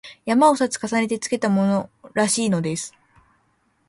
「山」を二つ重ねてつけたものらしいのです